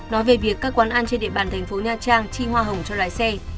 nói về việc các quán ăn trên địa bàn thành phố nha trang chi hoa hồng cho lái xe